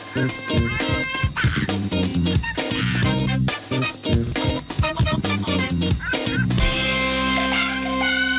โปรดติดตามตอนต่อไป